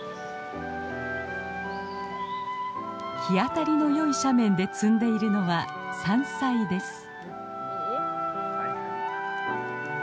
日当たりのよい斜面で摘んでいるのは山菜です。